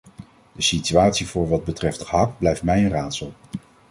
De situatie voor wat betreft gehakt blijft mij een raadsel.